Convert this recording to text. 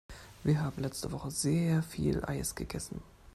Wir haben letzte Woche sehr viel Eis gegessen.